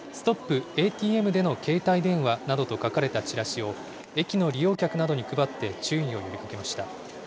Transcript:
ＡＴＭでの携帯電話などと書かれたチラシを、駅の利用客などに配って、注意を呼びかけました。